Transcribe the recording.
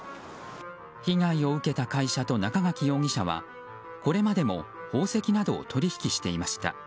被害を受けた会社と中垣容疑者はこれまでも宝石などを取引していました。